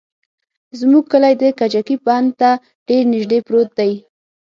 زموږ کلى د کجکي بند ته ډېر نژدې پروت دى.